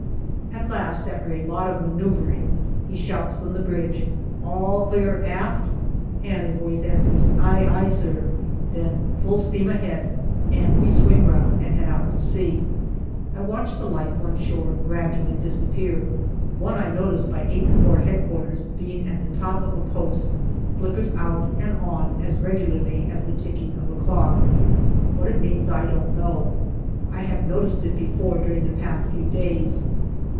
At last, after a lot of manoeuvring, he shouts from the bridge "All clear aft ?" and a voice answers, "Aye, aye, sir," then " Full steam ahead," and we swing round and head out to sea. I watch the lights on shore gradually disappear. One I notice by VIII Corps H.Q., being at the top of a post, flickers out and on as regularly as the ticking of a clock. What it meant I don't know. I have noticed it before during the past few days.